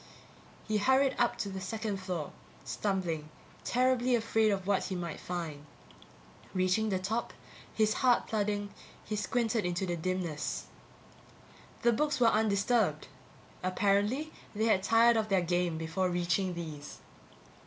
He hurried up to the second floor, stumbling, terribly afraid of what he might find. Reaching the top, his heart thudding, he squinted into the dimness. The books were undisturbed. Apparently they had tired of their game before reaching these.